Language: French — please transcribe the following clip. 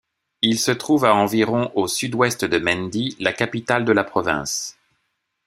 Il se trouve à environ au sud-ouest de Mendi, la capitale de la province.